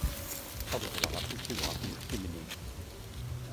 Ad ẓẓleɣ afus-iw ɣef yixṣimen-is.